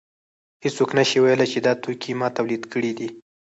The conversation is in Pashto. هېڅوک نشي ویلی چې دا توکی ما تولید کړی دی